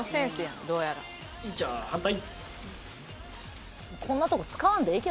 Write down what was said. じゃあ反対。